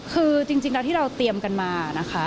คือจริงแล้วที่เราเตรียมกันมานะคะ